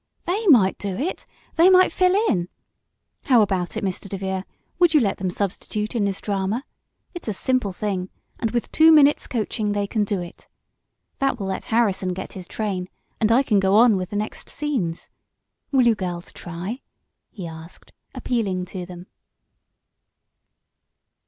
"They might do it they might fill in! How about it, Mr. DeVere; would you let them substitute in this drama? It's a simple thing, and with two minutes' coaching they can do it. That will let Harrison get his train, and I can go on with the next scenes. Will you girls try?" he asked, appealing to them.